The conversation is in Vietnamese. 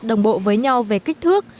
đồng bộ với nhau về kích thước